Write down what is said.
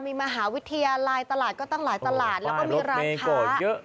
มีมหาวิทยาลัยตลาดก็ตั้งหลายตลาดแล้วก็มีร้านค้าเยอะ